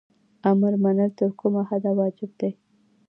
امر منل تر کومه حده واجب دي؟